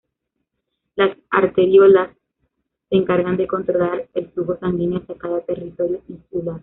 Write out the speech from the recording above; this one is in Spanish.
Las arteriolas se encargan de controlar el flujo sanguíneo hacia cada territorio tisular.